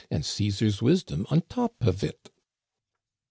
And Cssar's wisdom on top of it